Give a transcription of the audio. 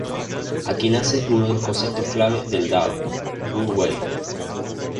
Aquí nace uno de los conceptos clave del dao: wu wei.